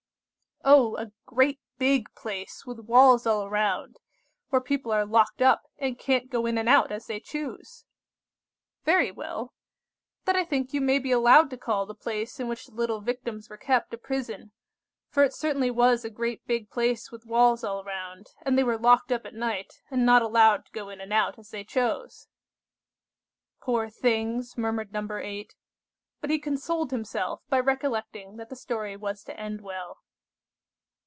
"Oh, a great big place with walls all round, where people are locked up, and can't go in and out as they choose." "Very well. Then I think you may be allowed to call the place in which the little Victims were kept a prison, for it certainly was a great big place with walls all round, and they were locked up at night, and not allowed to go in and out as they chose." "Poor things," murmured No. 8; but he consoled himself by recollecting that the story was to end well.